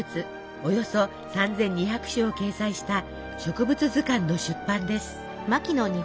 およそ３，２００種を掲載した植物図鑑の出版です。